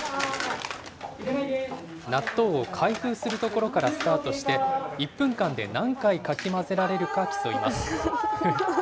納豆を開封するところからスタートして、１分間で何回かき混ぜられるか競います。